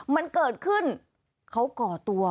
มันเกิดขึ้นเขาก่อตัว